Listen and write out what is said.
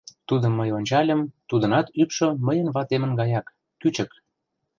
Тудым мый ончальым: тудынат ӱпшӧ мыйын ватемын гаяк: кӱчык.